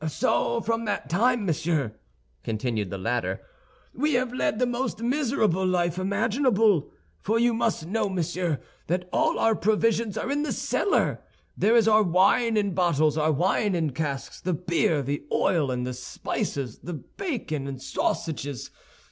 "So from that time, monsieur," continued the latter, "we have led the most miserable life imaginable; for you must know, monsieur, that all our provisions are in the cellar. There is our wine in bottles, and our wine in casks; the beer, the oil, and the spices, the bacon, and sausages.